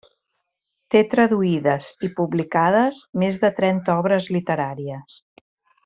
Té traduïdes i publicades més de trenta obres literàries.